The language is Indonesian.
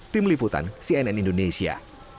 tim liputan cnn indonesia